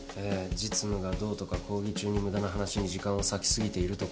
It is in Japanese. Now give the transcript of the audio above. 実務がどうとか講義中に無駄な話に時間を割き過ぎているとか。